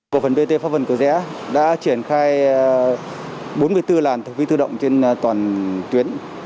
cộng phần vt pháp vân cầu rẽ đã triển khai bốn mươi bốn làn thu phí tự động trên toàn tuyến